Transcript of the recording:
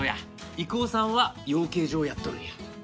郁夫さんは養鶏場をやっとるんや。